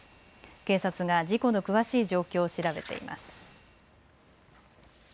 警察が事故の詳しい状況を調べています。